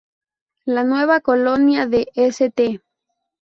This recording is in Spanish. La nueva colonia de "St.